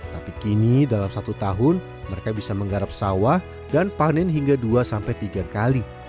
tapi kini dalam satu tahun mereka bisa menggarap sawah dan panen hingga dua sampai tiga kali